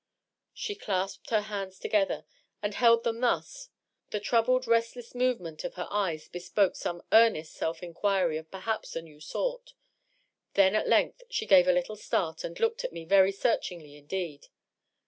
She clasped her hands together, and held them thus ; the troubled, restless movement of her eyes bespoke some earnest self inauiry of perhaps a new sort. Then at length she gave a little start, and looked at me very searchingly indeed.